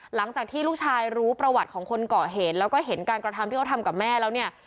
หลังจากที่ลูกชายรู้ประวัติของคนเกาะเหตุแล้วก็เห็นการกระทำที่เขาทำกับแม่แล้วเนี่ย